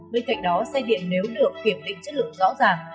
bên cạnh đó xe điện nếu được kiểm định chất lượng rõ ràng